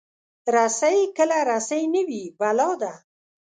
رسۍ کله رسۍ نه وي، بلا ده.